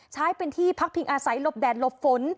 ใช้เป็นที่พักพิงอาศัยหลบแดดหลบฝน